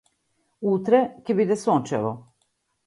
Утре ќе биде сончево.